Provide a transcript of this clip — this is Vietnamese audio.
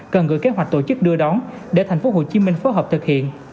cần gửi kế hoạch tổ chức đưa đón để tp hcm phối hợp thực hiện